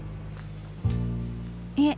え？